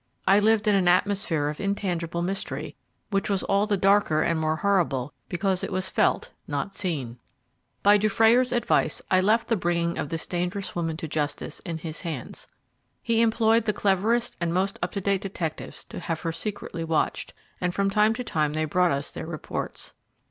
I lived in an atmosphere of intangible mystery, which was all the darker and more horrible because it was felt, not seen. By Dufrayer's advice, I left the bringing of this dangerous woman to justice in his hands. He employed the cleverest and most up to date detectives to have her secretly watched, and from time to time they brought us their reports.